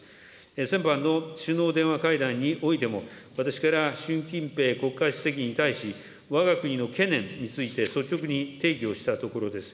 先般の首脳電話会談においても、私から習近平国家主席に対し、わが国の懸念について率直に提起をしたところです。